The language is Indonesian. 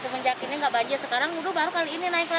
benerin dulu kan kecil sekarang udah diberikan sama proyek hotel